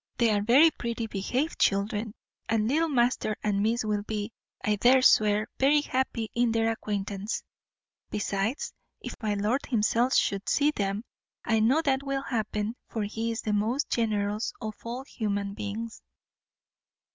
They are very pretty behaved children; and little master and miss will be, I dare swear, very happy in their acquaintance; besides, if my lord himself should see them, I know what will happen; for he is the most generous of all human beings."